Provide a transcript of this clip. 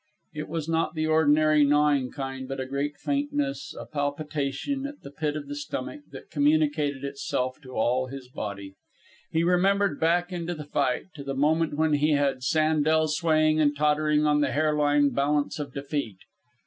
It was not the ordinary, gnawing kind, but a great faintness, a palpitation at the pit of the stomach that communicated itself to all his body. He remembered back into the fight to the moment when he had Sandel swaying and tottering on the hair line balance of defeat.